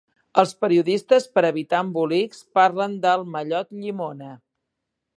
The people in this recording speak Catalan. Els periodistes per evitar embolics parlen del mallot llimona.